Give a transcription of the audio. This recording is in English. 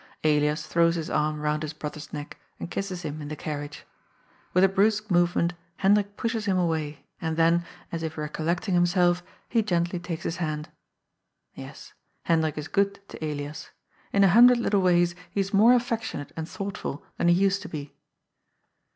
Elias throws his arm round his brother's neck, and kisses him in the carriage. With a brusque movement Hendrik pushes him away and then, as if recollecting himself, he gently takes his hand. Tes, Hendrik is good to Elias. In a hundred little ways he is more affectionate and thoughtful than he used to be.